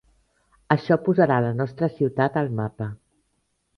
Això posarà la nostra ciutat al mapa.